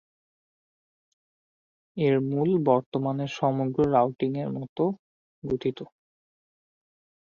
এর মূল পথ বর্তমানের সমগ্র রাউটিং এর মতো গঠিত।